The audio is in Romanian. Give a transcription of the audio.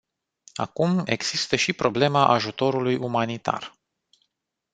Acum, există și problema ajutorului umanitar.